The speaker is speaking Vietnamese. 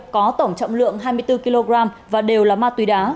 có tổng trọng lượng hai mươi bốn kg và đều là ma túy đá